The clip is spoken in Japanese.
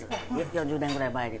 ４０年ぐらい前に。